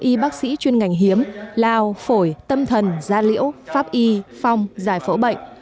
y bác sĩ chuyên ngành hiếm lao phổi tâm thần gia liễu pháp y phong giải phẫu bệnh